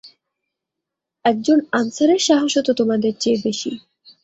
একজন আনসারের সাহসও তো তোমাদের চেয়ে বেশি।